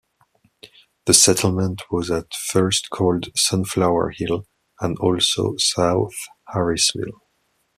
The settlement was at first called "Sunflower Hill" and also as "South Harrisville".